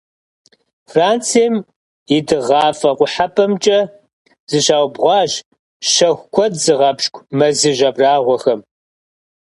Францием и дыгъафӀэ-къухьэпӀэмкӀэ зыщаубгъуащ щэху куэд зыгъэпщкӏу мэзыжь абрагъуэхэм.